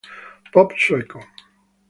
Pop sueco